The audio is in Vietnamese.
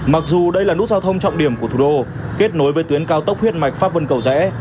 mặc dù đây là nút giao thông trọng điểm của thủ đô kết nối với tuyến cao tốc huyết mạch pháp vân cầu rẽ